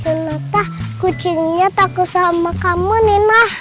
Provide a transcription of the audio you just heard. ternyata kucingnya takut sama kamu nina